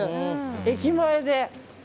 駅前で。